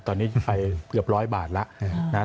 ตอนนี้ไฟเกือบ๑๐๐บาทแล้ว